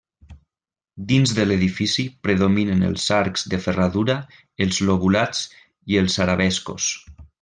Dins de l'edifici predominen els arcs de ferradura, els lobulats i els arabescos.